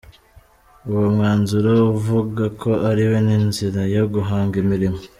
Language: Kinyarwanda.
Uwo mwanzuro uvuga ko ari n’inzira yo guhanga imirimo.